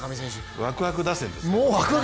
ワクワク打線ですね。